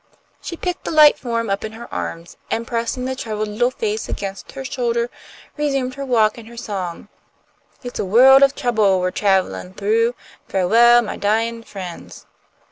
She picked the light form up in her arms, and, pressing the troubled little face against her shoulder, resumed her walk and her song. "It's a world of trouble we're travellin' through, Fa'well, my dyin' friends."